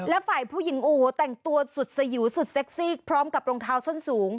และฝ่ายผู้หญิงโอ้โหแต่งตัวสุดสยิวสุดเซ็กซี่พร้อมกับรองเท้าส้นสูง